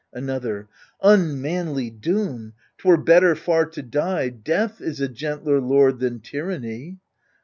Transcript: Another Unmanly doom ! 'twere better far to die — Death is a gentler lord than tyranny.